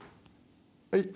はい。